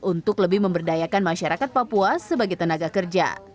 untuk lebih memberdayakan masyarakat papua sebagai tenaga kerja